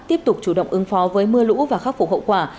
tiếp tục chủ động ứng phó với mưa lũ và khắc phục hậu quả